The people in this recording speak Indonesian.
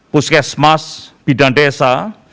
puskesmas bidan desa